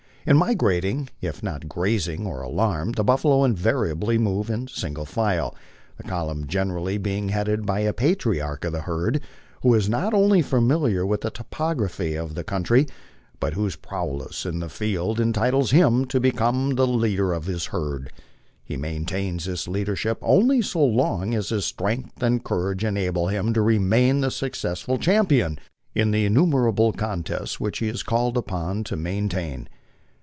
In mi grating, if not grazing or alarmed, the buffalo invariably moves in single file, the column generally being headed by a patriarch of the herd, who is not only familiar with the topography of the country, but whose prowess "in the field" entitles him to become the leader of his herd. He maintains this leadership only so long as his strength and courage enable him to remain the successful champion in the innumerable contests which he is called upon to maintain.